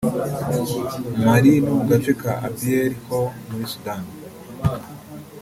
Mali no mu gace ka Abyei ho muri Sudan